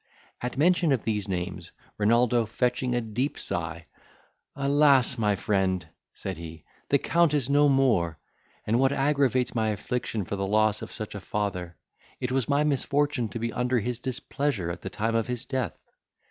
At mention of these names, Renaldo, fetching a deep sigh, "Alas! my friend," said he, "the Count is no more; and, what aggravates my affliction for the loss of such a father, it was my misfortune to be under his displeasure at the time of his death.